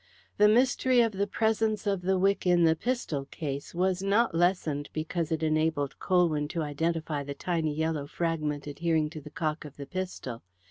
The mystery of the presence of the wick in the pistol case was not lessened because it enabled Colwyn to identify the tiny yellow fragment adhering to the cock of the pistol.